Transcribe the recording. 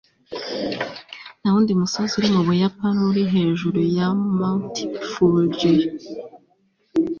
nta wundi musozi uri mu buyapani uri hejuru ya mt. fuji